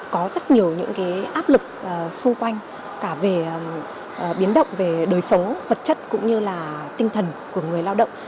có rất nhiều những áp lực xung quanh cả về biến động về đời sống vật chất cũng như là tinh thần của người lao động